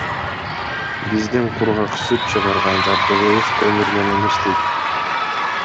Биздин кургак сүт чыгарган жабдыгыбыз көмүр менен иштейт.